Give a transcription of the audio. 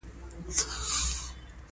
په سيند کې مهيان شته؟